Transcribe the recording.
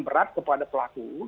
berat kepada pelaku